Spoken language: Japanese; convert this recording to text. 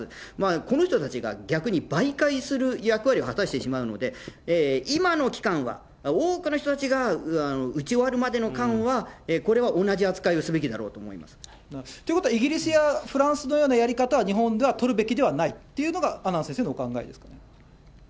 この人たちが逆に媒介する役割を果たしてしまうので、今の期間は多くの人たちが打ち終わるまでの間は、これは同じ扱いということは、イギリスやフランスのようなやり方は、日本では取るべきではないというのが、阿南先生のお考えですか。